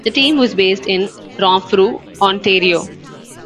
The team was based in Renfrew, Ontario.